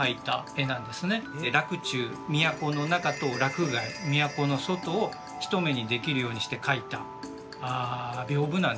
洛中都の中と洛外都の外を一目にできるようにして描いた屏風なんですね。